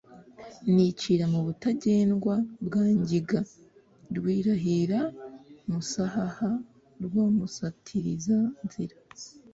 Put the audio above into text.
nicira mu Butagendwa bwa Ngiga, Rwirahira Musahaha rwa Musatirizanzira